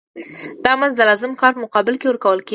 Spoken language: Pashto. دا مزد د لازم کار په مقابل کې ورکول کېږي